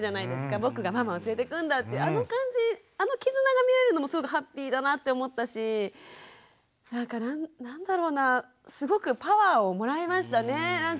僕がママを連れてくんだってあの感じあの絆が見えるのもすごくハッピーだなって思ったしなんか何だろうなすごくパワーをもらいましたねなんか。